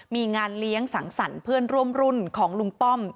มีงานเลี้ยงสังสรรค์เพื่อนร่วมรุ่นของลุงป้อม